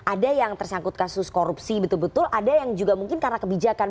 ada yang tersangkut kasus korupsi betul betul ada yang juga mungkin karena kebijakan